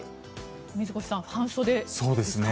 水越さん、半袖ですか？